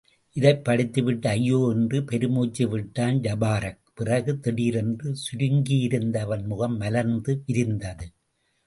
இதைப் படித்துவிட்டு ஐயோ! என்று பெருமூச்சு விட்டான் ஜபாரக் பிறகு திடீரென்று சுருங்கியிருந்த அவன் முகம் மலர்ந்து விரிந்தது.